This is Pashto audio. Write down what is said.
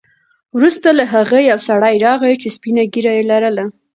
وروسته له هغه یو سړی راغی چې سپینه ږیره یې لرله.